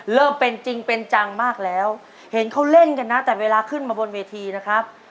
เริ่มเป็นจริงเป็นจังมากแล้วเห็นเขาเล่นกันนะแต่เวลาขึ้นมาบนเวทีนะครับ